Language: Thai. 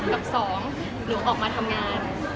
กับสองหรือออกมาทำงาน